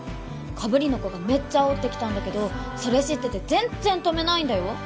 被りの子がめっちゃ煽ってきたんだけどそれ知ってて全然止めないんだよ。